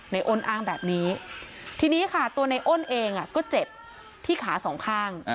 อ้นอ้างแบบนี้ทีนี้ค่ะตัวในอ้นเองก็เจ็บที่ขาสองข้าง